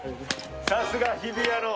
さすが日比谷の。